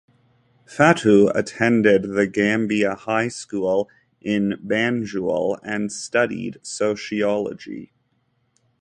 Fatou attended the Gambia High School in Banjul and studied sociology.